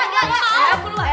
gue bilang gue mau keluar